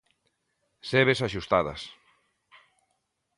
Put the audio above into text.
Sebes axustadas.